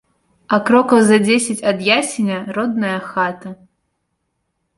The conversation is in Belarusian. А крокаў за дзесяць ад ясеня родная хата.